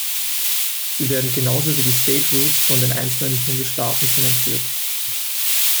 Sie werden genauso wie die State Routes von den einzelnen Bundesstaaten finanziert.